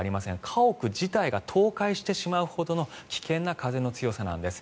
家屋自体が倒壊してしまうほどの危険な風の強さなんです。